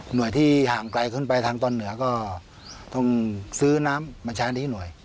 ที่ห่างไกลขึ้นไปทางตอนเหนือก็ต้องซื้อน้ำมาใช้ที่หน่วย